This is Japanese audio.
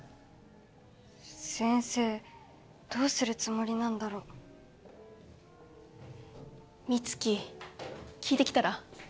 先生どうするつもりなんだろ美月聞いてきたら？